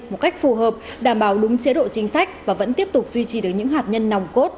một cách phù hợp đảm bảo đúng chế độ chính sách và vẫn tiếp tục duy trì được những hạt nhân nòng cốt